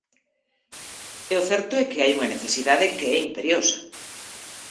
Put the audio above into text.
E o certo é que hai unha necesidade que é imperiosa.